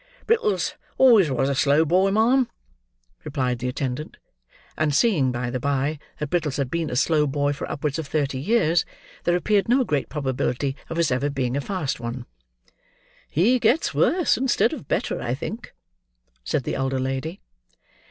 "Brittles always was a slow boy, ma'am," replied the attendant. And seeing, by the bye, that Brittles had been a slow boy for upwards of thirty years, there appeared no great probability of his ever being a fast one. "He gets worse instead of better, I think," said the elder lady.